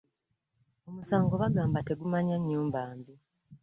Omusango bagamba tegumanya nnyumba mbi.